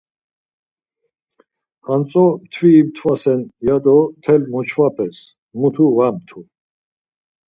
Hantzo mtviri tvasen ya do tel moçvapez, mutu var mtu.